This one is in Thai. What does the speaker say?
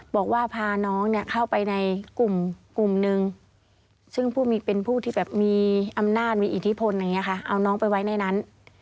บอกว่าพาน้องเนี่ยเข้าไปในกลุ่มนึงซึ่งเป็นผู้ที่แบบมีอำนาจมีอิทธิพลอย่างนี้ค่ะเอาน้องไปไว้ในนั้น